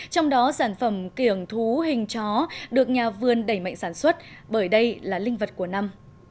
trong đó sản phẩm kiểng thú hình chó được nhà vườn đẩy mạnh sản xuất bởi đây là linh vật của năm